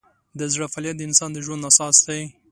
د زړه فعالیت د انسان د ژوند اساس دی.